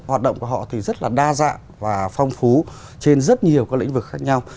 hoạt động của họ thì rất là đa dạng và phong phú trên rất nhiều các lĩnh vực khác nhau